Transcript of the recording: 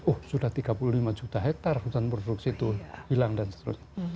oh sudah tiga puluh lima juta hektare hutan produksi itu hilang dan seterusnya